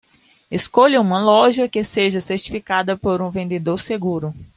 Escolha uma loja que seja certificada por um vendedor seguro